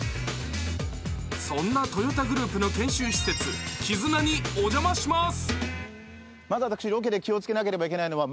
そんなトヨタグループの研修施設ＫＩＺＵＮＡにお邪魔します。